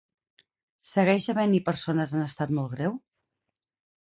Segueix havent-hi persones en estat molt greu?